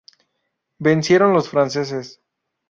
Vencieron los franceses.